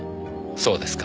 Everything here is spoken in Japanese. そうですか。